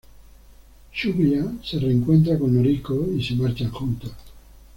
Shuya se reencuentra con Noriko y se marchan juntos.